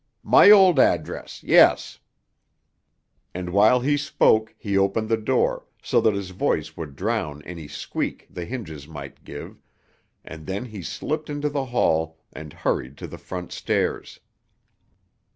My old address—yes!" And while he spoke he opened the door, so that his voice would drown any squeak the hinges might give; and then he slipped into the hall and hurried to the front stairs.